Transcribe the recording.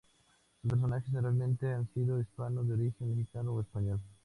Sus personajes, generalmente, han sido hispanos de origen mexicano o español.